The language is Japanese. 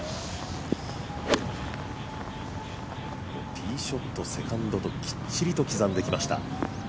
ティーショット、セカンドときっちりと刻んできました。